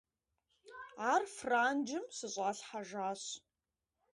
Ар Франджым щыщӀалъхьэжащ.